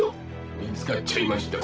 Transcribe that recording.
見つかっちゃいましたか？